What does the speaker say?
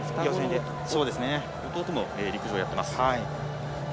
弟も陸上やってます。